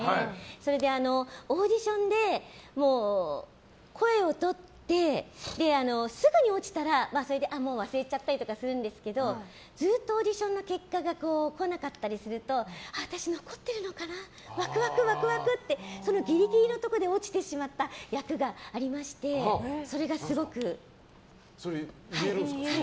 それで、オーディションで声をとってすぐに落ちたらそれで忘れちゃったりするんですけどずっとオーディションの結果が来なかったりすると私、残ってるのかなワクワクってそのギリギリのところで落ちてしまった役がありましてそれ、言えるんですか。